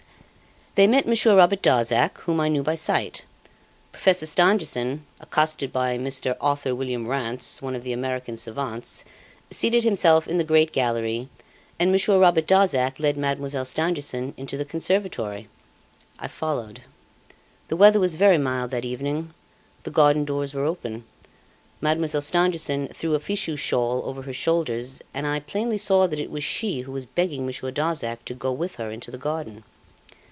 "They met Monsieur Robert Darzac, whom I knew by sight. Professor Stangerson, accosted by Mr. Arthur William Rance, one of the American savants, seated himself in the great gallery, and Monsieur Robert Darzac led Mademoiselle Stangerson into the conservatory. I followed. The weather was very mild that evening; the garden doors were open. Mademoiselle Stangerson threw a fichu shawl over her shoulders and I plainly saw that it was she who was begging Monsieur Darzac to go with her into the garden.